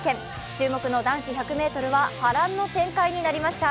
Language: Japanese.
注目の男子１００ｍは波乱の展開になりました。